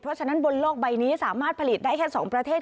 เพราะฉะนั้นบนโลกใบนี้สามารถผลิตได้แค่๒ประเทศ